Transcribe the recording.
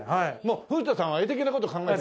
古田さんは画的な事考えて。